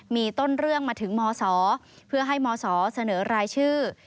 มีต้นเรื่องมาถึงมศเพื่อให้มศเสนอรายชื่อ